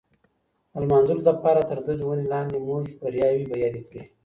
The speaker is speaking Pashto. د لمانځلو دپاره تر دغي وني لاندي موږ بریاوې یادې کړې.